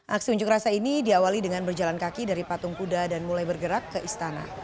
aksi unjuk rasa ini diawali dengan berjalan kaki dari patung kuda dan mulai bergerak ke istana